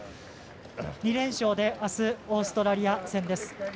２連勝であすオーストラリア戦です。